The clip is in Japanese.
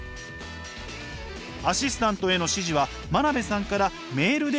アシスタントへの指示は真鍋さんからメールで送られてくるそう。